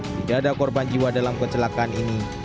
tidak ada korban jiwa dalam kecelakaan ini